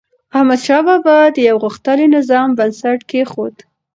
احمدشاه بابا د یو غښتلي نظام بنسټ کېښود.